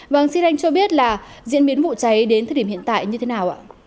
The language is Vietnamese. vâng xin anh cho biết là diễn biến vụ cháy đến thời điểm hiện tại như thế nào ạ